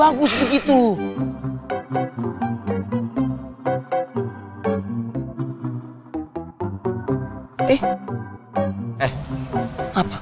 ah terus bete harus bagaimana sekarang